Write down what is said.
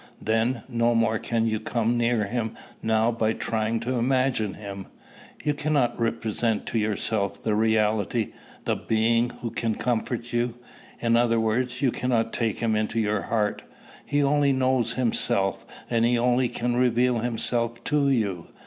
"Then, no more can you come near him now by trying to imagine him. You cannot represent to yourself the reality, the Being who can comfort you. In other words, you cannot take him into your heart. He only knows himself, and he only can reveal himself to you.